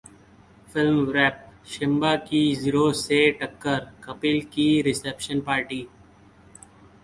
FilmWrap: Simmba की Zero से टक्कर, कपिल की रिसेप्शन पार्टी